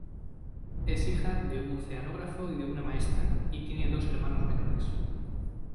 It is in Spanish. Es hija de un oceanógrafo y de una maestra, y tiene dos hermanos menores.